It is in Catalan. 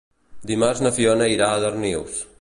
Dimarts na Fiona irà a Darnius.